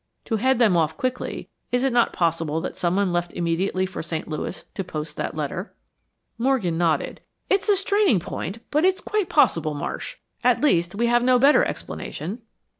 To head them off quickly, is it not possible that someone left immediately for St. Louis to post that letter?" Morgan nodded. "It's straining a point, but it's quite possible, Marsh. At least, we have no better explanation."